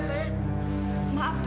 sepet afraid tuan panja biru